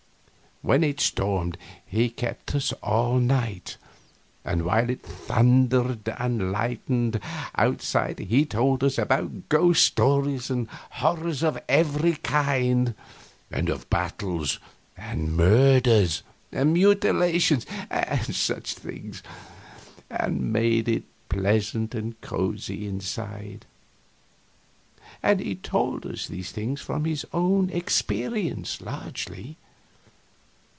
When it stormed he kept us all night; and while it thundered and lightened outside he told us about ghosts and horrors of every kind, and of battles and murders and mutilations, and such things, and made it pleasant and cozy inside; and he told these things from his own experience largely.